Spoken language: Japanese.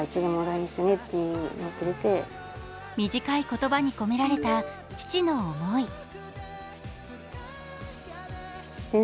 短い言葉に込められた父の思い。